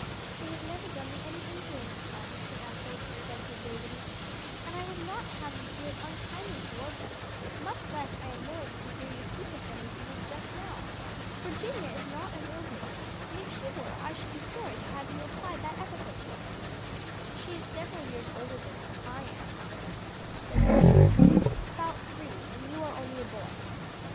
"They have never done me any injury, my son," she answered, with gentle gravity, "and I would not have you feel unkindly toward them; much less am I willing to hear you speak of them as you did just now. Virginia is not an old maid, and if she were I should be sorry to have you apply that epithet to her." "She is several years older than I am, mother," he said, blushing. "About three; and you are only a boy."